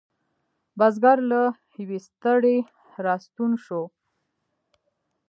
بزگر له یویې ستړی را ستون شو.